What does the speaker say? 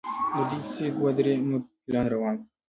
د دوی پسې دوه درې نور فیلان روان وو.